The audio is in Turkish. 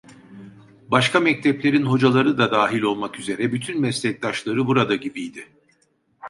Başka mekteplerin hocaları da dahil olmak üzere, bütün meslektaşları burada gibiydi.